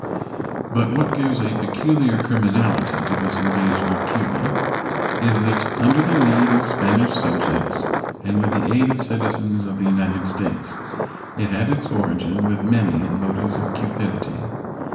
But what gives a peculiar criminality to this invasion of Cuba is that, under the lead of Spanish subjects and with the aid of citizens of the United States, it had its origin with many in motives of cupidity.